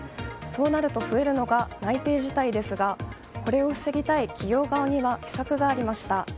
そうなると、増えるのが内定辞退ですがこれを防ぎたい企業側には秘策がありました。